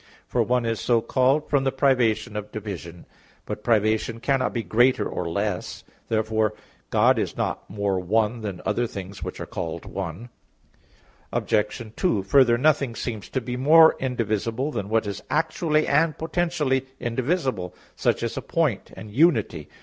_ For "one" is so called from the privation of division. But privation cannot be greater or less. Therefore God is not more "one" than other things which are called "one." Obj. 2: Further, nothing seems to be more indivisible than what is actually and potentially indivisible; such as a point and unity.